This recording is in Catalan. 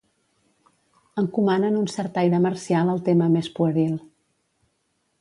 Encomanen un cert aire marcial al tema més pueril.